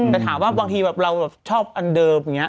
แต่ถามว่าบางทีเราชอบอันเดิม